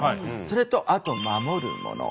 それとあと守るもの。